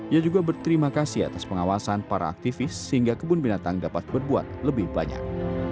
ia juga berterima kasih atas pengawasan para aktivis sehingga kebun binatang dapat berbuat lebih banyak